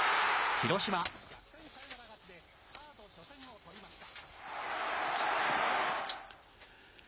広島、逆転サヨナラ勝ちで、カード初戦を取りました。